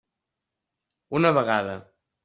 Una vegada.